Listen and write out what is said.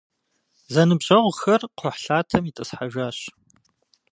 Зэныбжьэгъухэр кхъухьлъатэм итӏысхьэжащ.